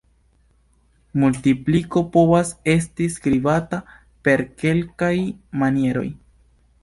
Multipliko povas esti skribata per kelkaj manieroj.